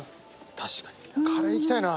確かにカレーいきたいな。